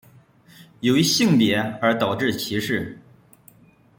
由于性别而导致的歧视。